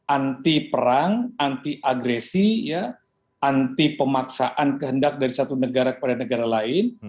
anti perang anti agresi anti pemaksaan kehendak dari satu negara kepada negara lain